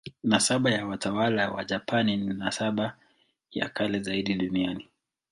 Nasaba ya watawala wa Japani ni nasaba ya kale zaidi duniani.